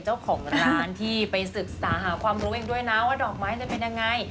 เจ้าของร้านที่ไปศึกษาหาความรู้เองด้วยนะว่าดอกไม้จะเป็นยังไง